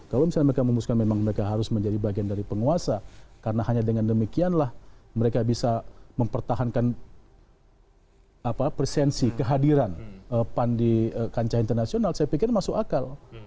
kalau misalnya mereka memutuskan memang mereka harus menjadi bagian dari penguasa karena hanya dengan demikianlah mereka bisa mempertahankan presensi kehadiran pan di kancah internasional saya pikir masuk akal